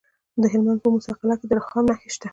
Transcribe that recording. د هلمند په موسی قلعه کې د رخام نښې شته.